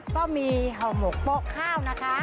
ก็มีเห่าหมกโป๊ะข้าวนะคะ